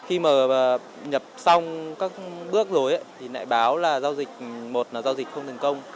khi mà nhập xong các bước rồi thì lại báo là giao dịch một là giao dịch không thành công